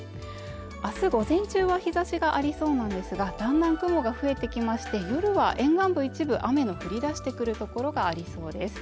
明日午前中は日差しがありそうなんですがだんだん雲が増えてきまして夜は沿岸部一部雨の降り出してくるところがありそうです